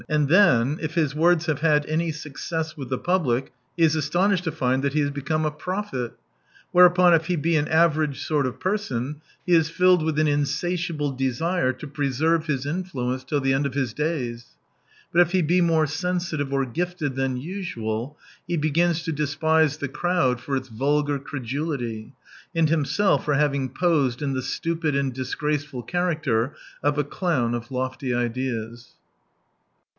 And then, if his words have had any success with the public, he is astonished to find that he has become a prophet. Whereupon, if he be an average sort of person, he is filled with an insatiable desire, to preserve his influence till the end of his days. But if he be more sensitive or gifted than usual, he begins to despise the crowd for its vulgar credulity, and himsdf for having posed in the stupid and disgraceful character of axlown of lofty ideas.